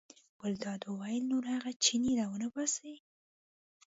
ګلداد وویل نور هغه چینی را ونه ننباسئ.